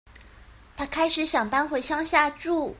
她開始想搬回鄉下住